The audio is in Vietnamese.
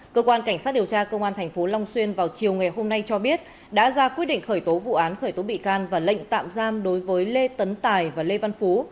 cơ quan cảnh sát điều tra công an tp long xuyên vào chiều ngày hôm nay cho biết đã ra quyết định khởi tố vụ án khởi tố bị can và lệnh tạm giam đối với lê tấn tài và lê văn phú